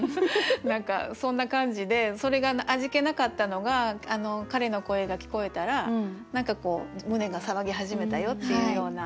何かそんな感じでそれが味気なかったのが彼の声が聞こえたら何かこう胸が騒ぎ始めたよっていうような。